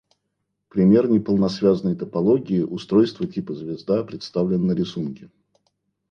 Пример неполносвязной топологии устройств типа «звезда» представлен на рисунке.